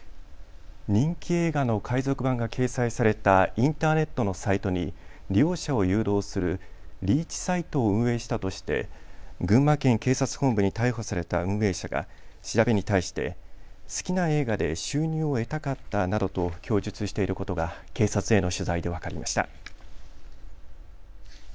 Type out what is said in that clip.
人気映画の海賊版が掲載されたインターネットのサイトに利用者を誘導するリーチサイトを運営したとして群馬県警察本部に逮捕された運営者が調べに対して好きな映画で収入を得たかったなどと供述していることが警察への取材で分かりました。